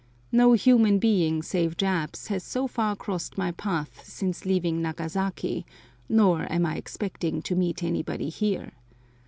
No human being save Japs has so far crossed my path since leaving Nagasaki, nor am I expecting to meet anybody here.